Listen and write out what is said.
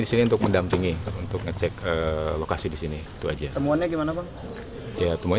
disini untuk mendampingi untuk ngecek lokasi di sini itu aja temuannya gimana pak ya temuan